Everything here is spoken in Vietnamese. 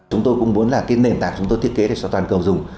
chúng tôi cũng muốn là cái nền tảng chúng tôi thiết kế để cho toàn cầu dùng